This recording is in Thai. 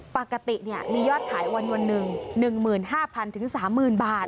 ปกติมียอดขายวันหนึ่ง๑๕๐๐๐๓๐๐บาท